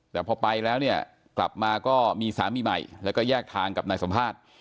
แต่พอไปแล้วเนี่ยกลับมาก็มีสามีใหม่แล้วก็แยกทางกับนายสัมภาษณ์